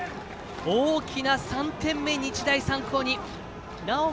大きな３点目、日大三高に。